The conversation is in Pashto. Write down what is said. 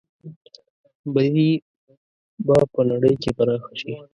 بدي به په نړۍ کې پراخه شي.